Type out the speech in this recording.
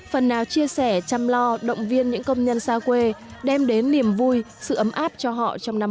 phần nào chia sẻ chăm lo động viên những công nhân xa quê đem đến niềm vui sự ấm áp cho họ trong năm